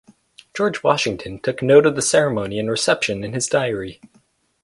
George Washington took note of the ceremony and reception in his diary.